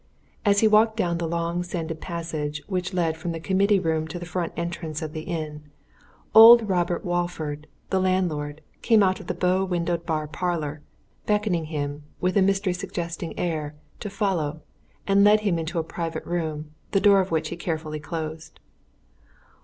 And as he walked down the long sanded passage which led from the committee room to the front entrance of the inn, old Rob Walford, the landlord, came out of the bow windowed bar parlour, beckoned him, with a mystery suggesting air, to follow, and led him into a private room, the door of which he carefully closed.